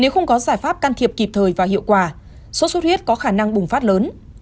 nếu không có giải pháp can thiệp kịp thời và hiệu quả sốt xuất huyết có khả năng bùng phát lớn